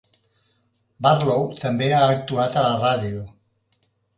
Barlow també ha actuat a la ràdio.